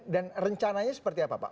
dan rencananya seperti apa pak